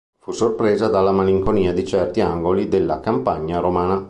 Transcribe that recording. Fu sorpreso dalla malinconia di certi angoli della campagna romana.